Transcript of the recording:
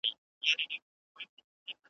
مشر هم خیالي زامن وه زېږولي .